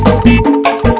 gak ada kukus kukus